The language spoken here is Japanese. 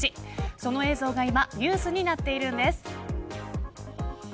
その映像が今ニュースになっているんです。